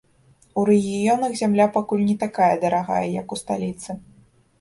У рэгіёнах зямля пакуль не такая дарагая, як у сталіцы.